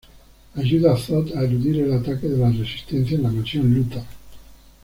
Ayuda a Zod a eludir el ataque de la resistencia en la mansión Luthor.